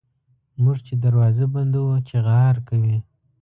موږ چي دروازه بندوو چیغهار کوي.